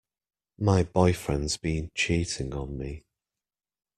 My boyfriend's been cheating on me.